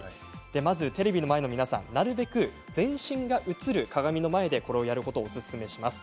まずテレビの前の皆さんなるべく全身が映る鏡の前でこれをやることをおすすめします。